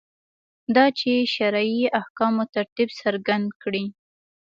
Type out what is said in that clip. دا چې شرعي احکامو ترتیب څرګند کړي.